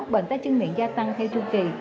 bệnh tay chân miệng gia tăng hay trung kỳ